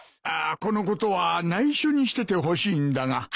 あこのことは内緒にしててほしいんだが。